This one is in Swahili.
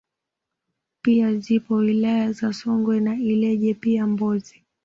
pia zipo wilaya za Songwe na Ileje pia Mbozi